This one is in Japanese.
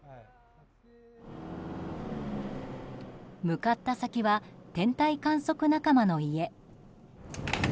向かった先は天体観測仲間の家。